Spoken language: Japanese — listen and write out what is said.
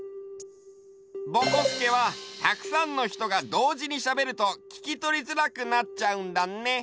ぼこすけはたくさんのひとがどうじにしゃべるとききとりづらくなっちゃうんだね。